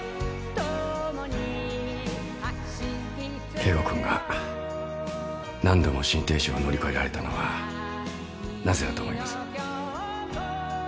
圭吾君が何度も心停止を乗り越えられたのはなぜだと思います？